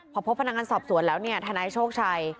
พอพบพนักงานสอบสวนแล้วเนี่ยทนายโชคชัย